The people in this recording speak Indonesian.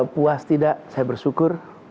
puas tidak saya bersyukur